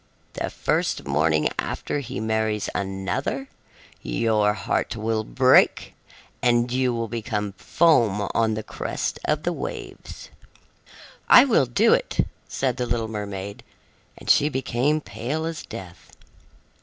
The first morning after he marries another, your heart will break and you will become foam on the crest of the waves." "I will do it," said the little mermaid, and she became pale as death.